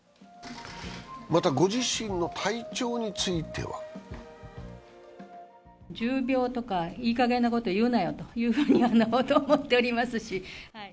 またご自身の体調については重病とか、いいかげんなこと言うなよと思っておりますし。